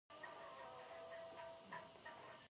ازادي راډیو د بهرنۍ اړیکې په اړه د سیاستوالو دریځ بیان کړی.